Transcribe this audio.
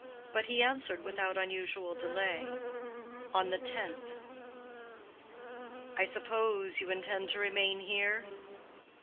But he answered without unusual delay. "On the tenth." "I suppose you intend to remain here."